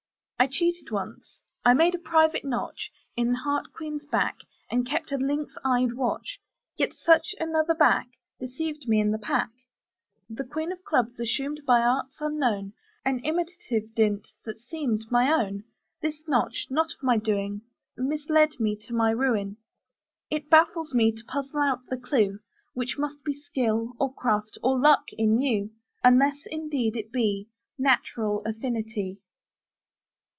I cheated once; I made a private notch In Heart Queen's back, and kept a lynx eyed watch; Yet such another back Deceived me in the pack: The Queen of Clubs assumed by arts unknown An imitative dint that seemed my own; This notch, not of my doing, Misled me to my ruin. It baffles me to puzzle out the clue, Which must be skill, or craft, or luck in you: Unless, indeed, it be Natural affinity.